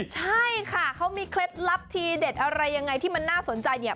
ใช่ค่ะเขามีเคล็ดลับทีเด็ดอะไรยังไงที่มันน่าสนใจเนี่ย